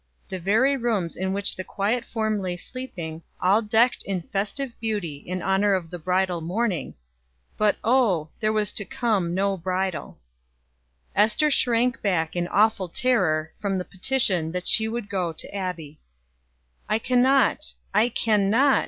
The very rooms in which the quiet form lay sleeping, all decked in festive beauty in honor of the bridal morning; but oh! there was to come no bridal. Ester shrank back in awful terror from the petition that she would go to Abbie. "I can not I can not!"